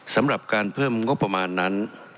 สำหรับการเพิ่มงบประมาณนั้น